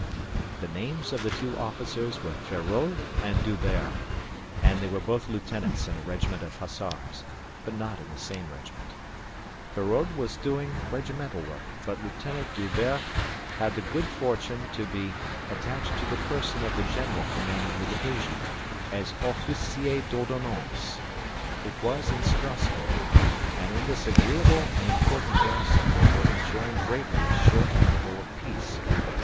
The names of the two officers were Feraud and D'Hubert, and they were both lieutenants in a regiment of hussars, but not in the same regiment. Feraud was doing regimental work, but Lieutenant D'Hubert had the good fortune to be attached to the person of the general commanding the division, as officier d'ordonnance. It was in Strasbourg, and in this agreeable and important garrison, they were enjoying greatly a short interval of peace.